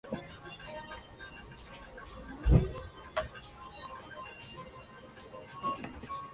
Esta fue la tercera vez que interpretó el papel de presidente de Estados Unidos.